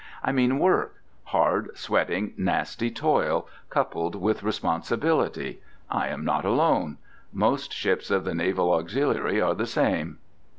I mean work, hard, sweating, nasty toil, coupled with responsibility. I am not alone. Most ships of the naval auxiliary are the same.